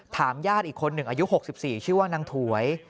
ญาติอีกคนหนึ่งอายุ๖๔ชื่อว่านางถวย